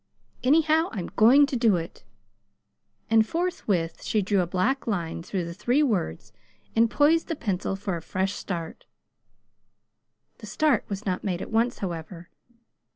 Anyhow, I'M going to do it." And forthwith she drew a black line through the three words and poised the pencil for a fresh start. The start was not made at once, however.